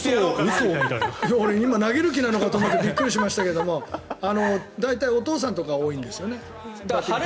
今投げる気なのかと思ってびっくりしましたけど大体お父さんとか多いんです。